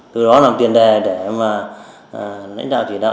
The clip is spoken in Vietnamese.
từ đó làm tiền đề để đánh đạo chỉ đạo